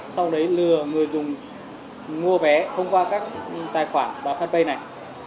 sau đấy lừa người dùng mua vé thông qua các tài khoản và fanpage này